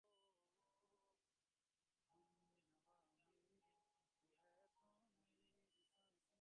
ব্রাহ্মসমাজ হইতে সুচরিতা কি এমন করিয়া স্থলিত হইয়া যাইবে?